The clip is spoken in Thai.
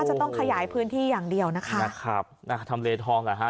จะต้องขยายพื้นที่อย่างเดียวนะครับนะครับน่าจะทำเลท้องแล้วฮะ